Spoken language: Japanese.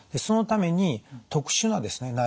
そのために特殊なですね